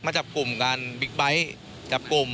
มาจับกลุ่มกันบิ๊กไบท์